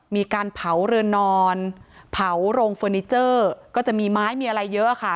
มีการเผาเรือนนอนเผาโรงเฟอร์นิเจอร์ก็จะมีไม้มีอะไรเยอะค่ะ